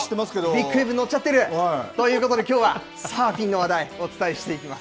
ビッグウェーブに乗っちゃってる？ということで、きょうはサーフィンの話題、お伝えしていきます。